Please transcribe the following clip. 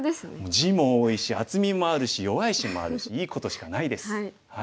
地も多いし厚みもあるし弱い石もあるしいいことしかないです。